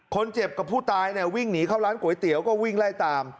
กับผู้ตายเนี่ยวิ่งหนีเข้าร้านก๋วยเตี๋ยวก็วิ่งไล่ตาม